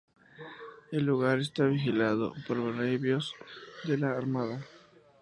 El lugar está vigilado por navíos de la Armada.